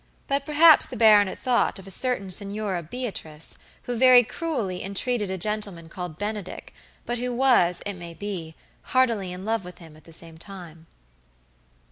But perhaps the baronet thought of a certain Signora Beatrice who very cruelly entreated a gentleman called Benedick, but who was, it may be, heartily in love with him at the same time.